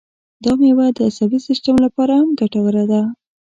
دا مېوه د عصبي سیستم لپاره هم ګټوره ده.